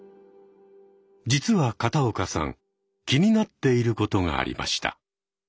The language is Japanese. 実は片岡さん気になっていることがありました。